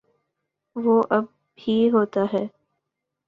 وہ اب بھی ہوتا ہے۔